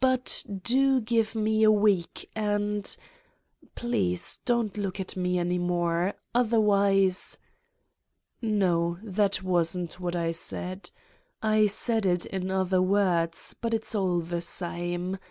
But do give me a week and ... please, don't look at me any more ... other wise ... No, that wasn't what I said. I said it in other words, but it's all the same.